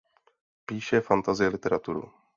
Píše fantasy literaturu.